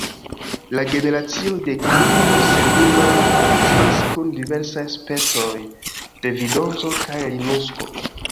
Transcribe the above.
La generacio de klingo-serviloj funkciis kun diversaj specoj de Vindozo kaj Linukso.